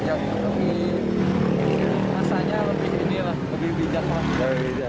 tapi rasanya lebih bijak lah